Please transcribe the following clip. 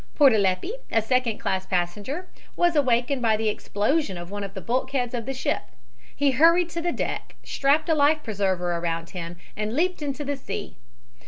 Portaleppi, a second class passenger, was awakened by the explosion of one of the bulkheads of the ship. He hurried to the deck, strapped a life preserver around him and leaped into the sea.